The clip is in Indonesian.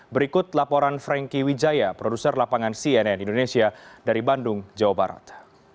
berikut laporan franky wijaya produser lapangan cnn indonesia dari bandung jawa barat